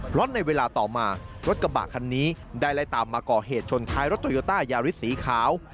เพราะในเวลาต่อมารถกระบะคันนี้ได้ไล่ตามมาก่อเหตุชนท้ายรถโตโยต้ายาริสสีขาว